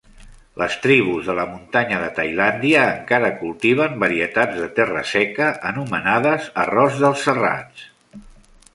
Les tribus de la muntanya de Tailàndia encara cultiven varietats de terra seca anomenades arròs dels serrats.